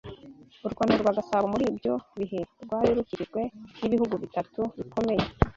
U Rwanda rwa Gasabo muri ibyo bihe rwari rukikijwe n’ibihugu bitatu bikomeye